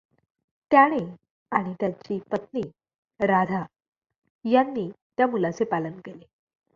त्याने आणि त्याची पत् नी राधा यांनी त्या मुलाचे पालन केले.